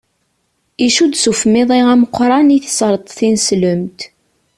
Icudd s ufmiḍi ameqqran i tesreṭ tineslemt.